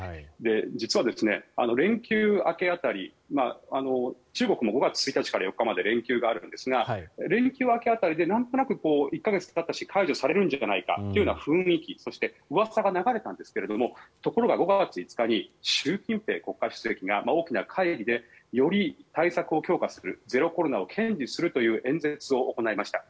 実は連休明け辺り中国も５月１日から４日まで連休があるんですが連休明け辺りでなんとなく１か月たったし解除されるんじゃないかというような雰囲気そして、うわさが流れたんですがところが５月１日に習近平国家主席が大きな会議でより、対策を強化するゼロコロナを堅持するという演説を行いました。